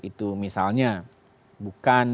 itu misalnya bukan